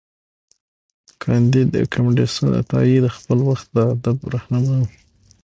کانديد اکاډميسن عطايي د خپل وخت د ادب رهنما و.